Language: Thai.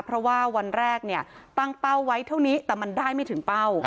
เพราะว่าวันแรกเนี่ยตั้งเป้าไว้เท่านี้แต่มันได้ไม่ถึงเป้า